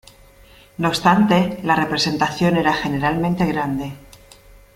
No obstante, la representación era generalmente grande.